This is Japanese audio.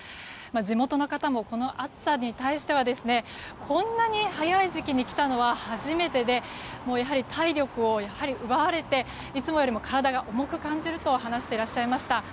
地元の方もこの暑さに対してはこんなに早い時期に来たのは初めてで、やはり体力を奪われていつもよりも体が重く感じると話してらっしゃいました。